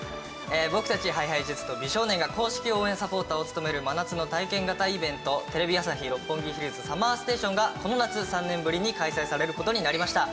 僕たちＨｉＨｉＪｅｔｓと美少年が公式応援サポーターを務める真夏の体験型イベントテレビ朝日・六本木ヒルズＳＵＭＭＥＲＳＴＡＴＩＯＮがこの夏３年ぶりに開催される事になりました。